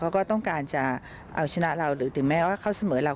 ก็ต้องการจะเอาชนะเราหรือถึงแม้ว่าเขาเสมอเรา